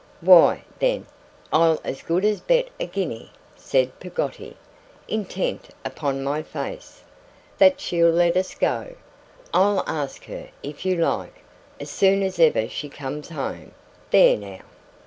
'Why then I'll as good as bet a guinea,' said Peggotty, intent upon my face, 'that she'll let us go. I'll ask her, if you like, as soon as ever she comes home. There now!